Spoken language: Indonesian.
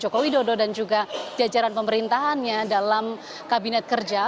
jokowi dodo dan juga jajaran pemerintahannya dalam kabinet kerja